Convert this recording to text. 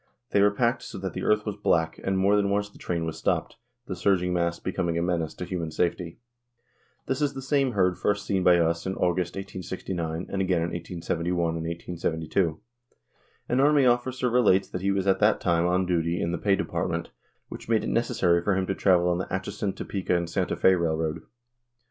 They were packed so that the earth was black, and more than once the train was stopped, the surging mass becoming a menace to human safety. This is the same herd first seen by us in August, 1869, and again in 1871 and 1872. An army officer relates that he was at that time on duty in the pay department, which made it necessary for him to travel on the Atchison, Topeka & Santa Fe railroad.